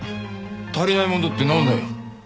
足りないものってなんだよ？